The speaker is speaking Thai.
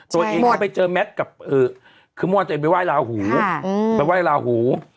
ตัวเองเขาไปเจอแมทกับคือมว่าจะไปไหว้ลาหูค่ะไปไหว้ลาหู